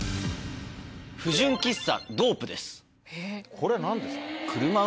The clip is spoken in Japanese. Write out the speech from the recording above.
これは何ですか？